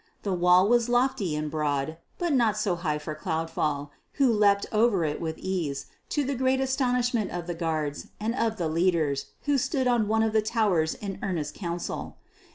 The wall was lofty and broad, but not too high for Cloudfall, who leapt over it with ease, to the great astonishment of the guards and of the leaders who stood on one of the towers in earnest council.